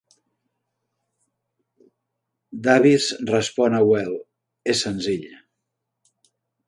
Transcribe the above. Davis respon a Well, és senzill.